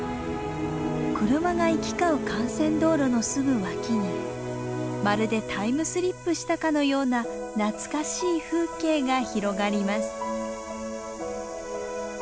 車が行き交う幹線道路のすぐ脇にまるでタイムスリップしたかのような懐かしい風景が広がります。